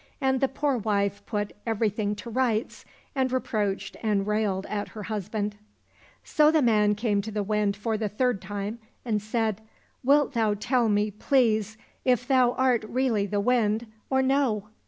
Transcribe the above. And the poor wife put everything to rights, and reproached and railed at her husband. So the man came to the Wind for the third time and said, " Wilt thou tell me, please, if thou art really the Wind or no